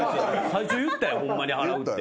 最初言ったよホンマに払うって。